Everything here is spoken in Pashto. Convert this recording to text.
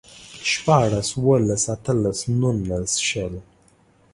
شپاړلس، اوولس، اتلس، نولس، شل